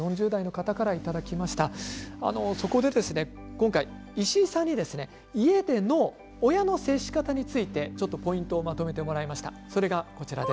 今回、石井さんに家での親の接し方についてポイントをまとめてもらいました。